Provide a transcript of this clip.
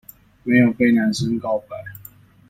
沒有被男生告白